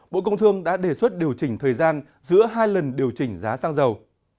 bộ công thương đã đề xuất điều chỉnh thời gian giữa hai lần điều chỉnh giá xăng dầu